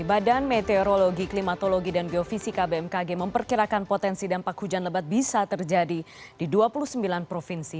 badan meteorologi klimatologi dan geofisika bmkg memperkirakan potensi dampak hujan lebat bisa terjadi di dua puluh sembilan provinsi